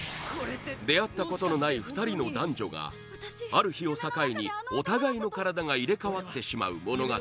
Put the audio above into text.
出会ったことのない２人の男女がある日を境に、お互いの体が入れ替わってしまう物語